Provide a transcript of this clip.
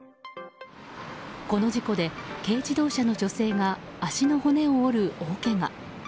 この事故で軽自動車の女性が足の骨を折る大けが。